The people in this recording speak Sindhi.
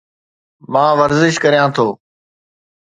مان ورزش ڪريان ٿو